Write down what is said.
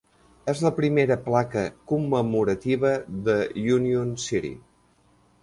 És la primera placa commemorativa de Union City.